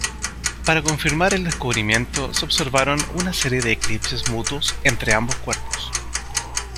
Para confirmar el descubrimiento se observaron una serie de eclipses mutuos entre ambos cuerpos.